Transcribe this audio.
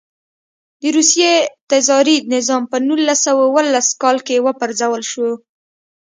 د روسیې تزاري نظام په نولس سوه اوولس کال کې و پرځول شو.